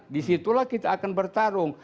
disitulah kita akan bertarung